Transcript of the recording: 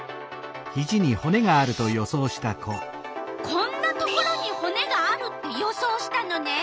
こんなところにほねがあるって予想したのね。